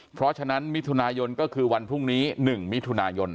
เพราะฉะนั้นมิถุนายนก็คือวันพรุ่งนี้๑มิถุนายน